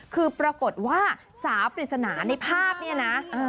คือปรากฏว่าสาวปริศนาในภาพเนี่ยนะ